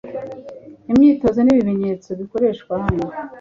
Imyitozo n'ibimenyetso bikoreshwa. hano